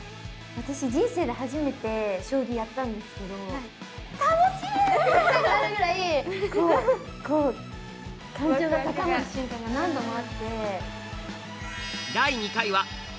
私人生で初めて将棋やったんですけど。って言いたくなるぐらいこうこう感情が高まる瞬間が何度もあって。